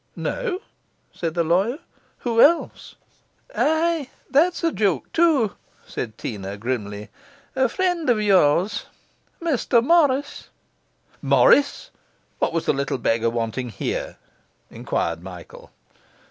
'No?' said the lawyer. 'Who else?' 'Ay, that's a joke, too,' said Teena grimly. 'A friend of yours: Mr Morris.' 'Morris! What was the little beggar wanting here?' enquired Michael.